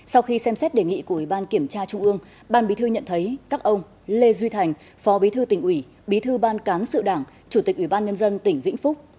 sau khi xem xét đề nghị của ủy ban kiểm tra trung ương ban bí thư nhận thấy các ông lê duy thành phó bí thư tỉnh ủy bí thư ban cán sự đảng chủ tịch ủy ban nhân dân tỉnh vĩnh phúc